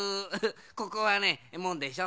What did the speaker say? ここはねもんでしょ